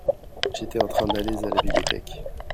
J'étais en train d'aller à la bibliothèque.